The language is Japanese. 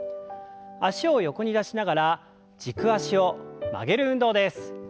脚を横に出しながら軸足を曲げる運動です。